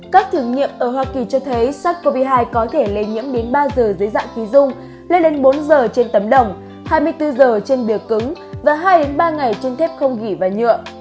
các thử nghiệm ở hoa kỳ cho thấy sars cov hai có thể lây nhiễm đến ba giờ dưới dạng khí dung lên bốn giờ trên tấm đồng hai mươi bốn giờ trên bìa cứng và hai ba ngày trên thép không ghi và nhựa